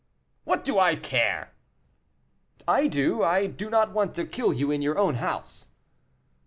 "What do I care!" "I do; I do not want to kill you in your own house."